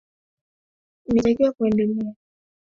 inatakiwa kuendelea kuboresha utendaji kazi wake